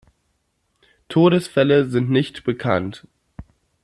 Todesfälle sind nicht bekannt.